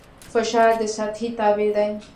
فشار د سطحې تابع دی.